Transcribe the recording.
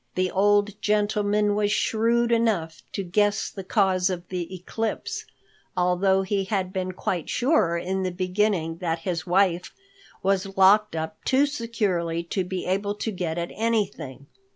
The old gentleman was shrewd enough to guess the cause of the eclipse, although he had been quite sure in the beginning that his wife was locked up too securely to be able to get at anything.